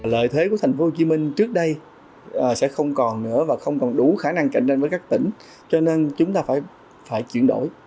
lợi thế của tp hcm trước đây sẽ không còn nữa và không còn đủ khả năng cạnh tranh với các tỉnh cho nên chúng ta phải chuyển đổi